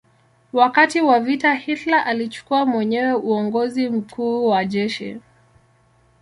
Wakati wa vita Hitler alichukua mwenyewe uongozi mkuu wa jeshi.